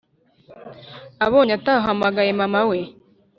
abonye atahamagaye mama we